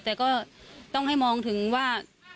แต่ก็ต้องให้มองถึงว่า